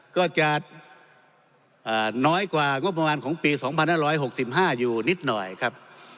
ก็จะอ่าน้อยกว่างบประมาณของปีสองพันห้าร้อยหกสิบห้าอยู่นิดหน่อยครับ